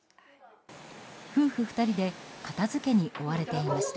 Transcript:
夫婦２人で片付けに追われていました。